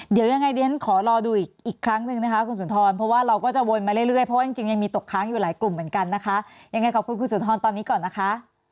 เดี๋ยวยังไงเดี๋ยวฉันขอรอดูอีกครั้งหนึ่งนะคะคุณสุนทรเพราะว่าเราก็จะวนมาเรื่อยเพราะว่าจริงยังมีตกค้างอยู่หลายกลุ่มเหมือนกันนะคะยังไงขอบคุณคุณสุนทรตอนนี้ก่อนนะคะ